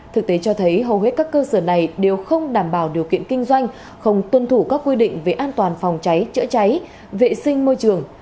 thực tế cho thấy hầu hết các cơ sở này đều không đảm bảo điều kiện kinh doanh không tuân thủ các quy định về an toàn phòng cháy chữa cháy vệ sinh môi trường